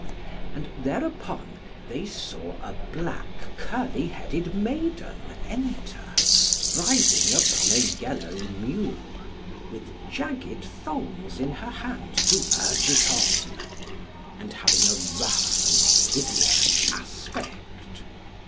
And thereupon they saw a black curly headed maiden enter, riding upon a yellow mule, with jagged thongs in her hand, to urge it on; and having a rough and hideous aspect.